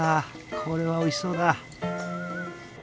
これはおいしそうだ！